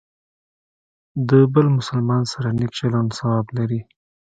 د بل مسلمان سره نیک چلند ثواب لري.